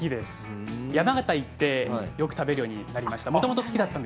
山形にいてよく食べるようになりました。